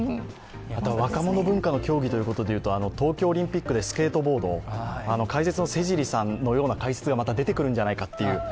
あと若者文化の競技ということでいうと、東京オリンピックでスケートボード、解説の瀬尻さんのような解説がまた出てくるんじゃないかと。